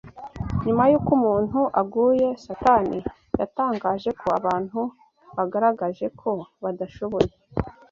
Nyuma y’uko umuntu aguye, Satani yatangaje ko abantu bagaragaje ko badashoboye